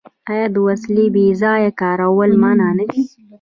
آیا د وسلې بې ځایه کارول منع نه دي؟